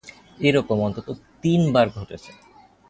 এরকম অন্তত তিনবার ঘটেছে।